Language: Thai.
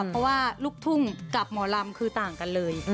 เพราะว่าลูกทุ่งกับหมอลำคือต่างกันเลย